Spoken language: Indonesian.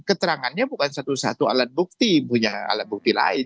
keterangannya bukan satu satu alat bukti punya alat bukti lain